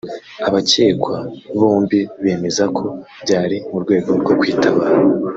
abakekwa bombi bemeza ko byari mu rwego rwo kwitabara